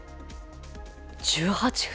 １８分。